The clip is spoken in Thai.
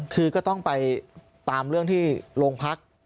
คือก็ต้องไปตามเรื่องที่โรงพัก